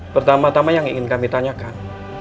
pertama tama yang ingin kami tanyakan